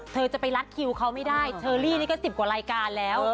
เธอจะไปรัดคิวเขาไม่ได้เชอรี่นี่ก็๑๐กว่ารายการแล้ว